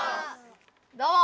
どうも！